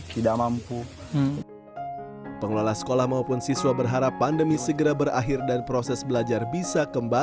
tidak mampu pengelola sekolah maupun siswa berharap pandemi segera berakhir dan proses belajar bisa